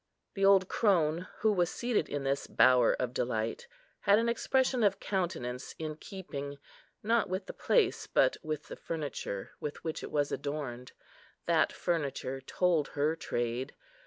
The old crone, who was seated in this bower of delight, had an expression of countenance in keeping, not with the place, but with the furniture with which it was adorned; that furniture told her trade.